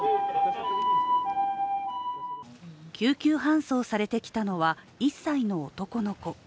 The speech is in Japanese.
救急搬送されてきたのは１歳の男の子。